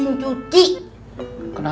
jangan lagi nyuci pakai mesin cuci